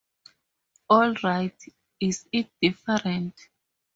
All right, is it different?